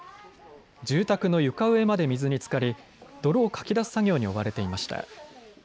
住宅の床上まで水につかり、泥をかき出す作業に追われていました。